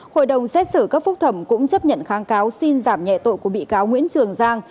hội đồng xét xử cấp phúc thẩm cũng chấp nhận kháng cáo xin giảm nhẹ tội của bị cáo nguyễn trường giang